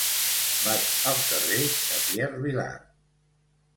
Vaig al carrer de Pierre Vilar.